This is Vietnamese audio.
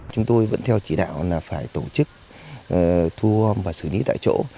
chúng tôi vẫn theo chỉ đạo là phải tổ chức thu hôm và xử lý tại chỗ